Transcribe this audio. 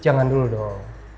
jangan dulu dong